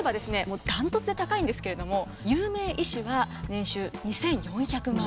もう断トツで高いんですけれども有名医師は年収２，４００万円。